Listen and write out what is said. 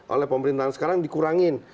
oleh pemerintahan sekarang dikurangin